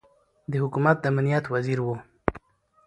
د حکومت د امنیت وزیر ؤ